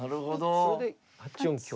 それで８四香。